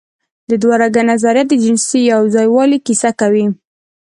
د دوهرګه نظریه د جنسي یوځای والي کیسه کوي.